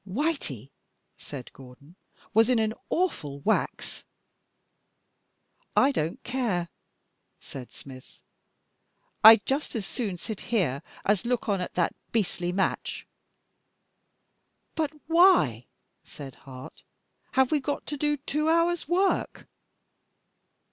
"Whitey," said Gordon, "was in an awful wax!" "I don't care," said Smith. "I'd just as soon sit here as look on at that beastly match." "But why," said Hart, "have we got to do two hours' work?"